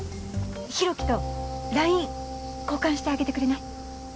広樹と ＬＩＮＥ 交換してあげてくれない？